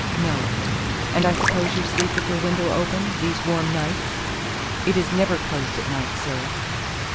"No. And I suppose you sleep with your window open, these warm nights." "It is never closed at night, sir."